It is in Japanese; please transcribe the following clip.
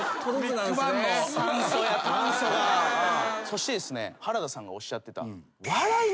そしてですね原田さんがおっしゃってた。